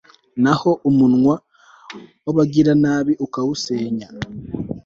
naho umunwa w'abagiranabi ukawusenya